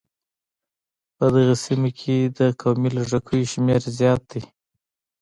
په دغې سيمې کې د قومي لږکيو شمېر زيات دی.